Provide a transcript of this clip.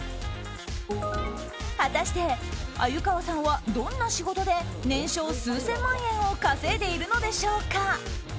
果たして、鮎河さんはどんな仕事で年商数千万円を稼いでいるのでしょうか。